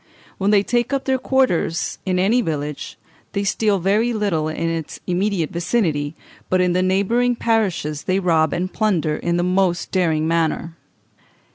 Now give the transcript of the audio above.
When they take up their quarters in any village they steal very little in its immediate vicinity, but in the neighbouring parishes they rob and plunder in the most daring manner.